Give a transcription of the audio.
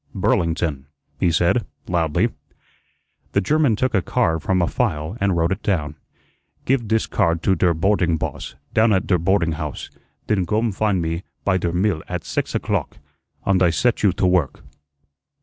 "Burlington," he said, loudly. The German took a card from a file and wrote it down. "Give dis card to der boarding boss, down at der boarding haus, den gome find me bei der mill at sex o'clock, und I set you to work."